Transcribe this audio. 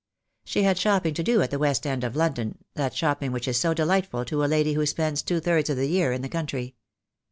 She had shopping to do at the West end of London, that shopping which is so delightful to a lady who spends two thirds of the year in the country.